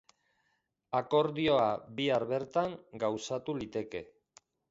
Akordioa bihar bertan gauzatu liteke.